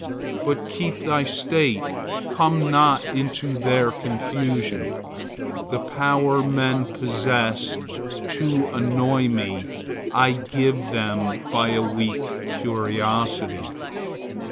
But keep thy state; come not into their confusion. The power men possess to annoy me I give them by a weak curiosity.